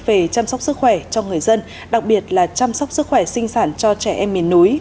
về chăm sóc sức khỏe cho người dân đặc biệt là chăm sóc sức khỏe sinh sản cho trẻ em miền núi